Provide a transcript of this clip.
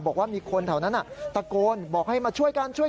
บอกว่ามีคนแถวนั้นตะโกนบอกให้มาช่วยกันช่วย